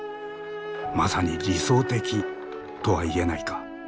まさに理想的とは言えないか。